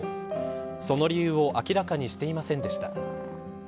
その理由を明らかにしていませんでした。